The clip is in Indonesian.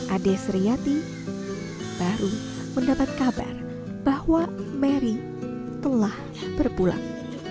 adik adiknya seriati baru mendapat kabar bahwa mary telah berpulang